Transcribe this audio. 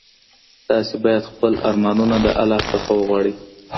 تاسي باید خپل ارمانونه د الله څخه وغواړئ.